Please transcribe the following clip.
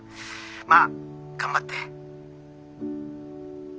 まあ頑張って。